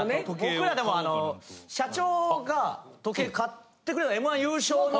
僕らでもあの社長が時計買ってくれた『Ｍ−１』優勝の。